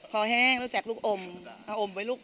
คอแห้งแล้วแจกลูกอมเอาอมไว้ลูก